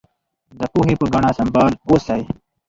د پوهې په ګاڼه سمبال اوسئ.